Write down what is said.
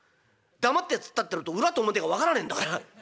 黙って突っ立ってると裏と表が分からねえんだから。